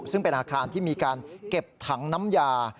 ซึ่งเป็นอาคารที่มีการเก็บถังน้ำยา